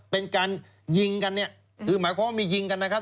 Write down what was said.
เป็นการยิงกันเนี่ยคือหมายความว่ามียิงกันนะครับ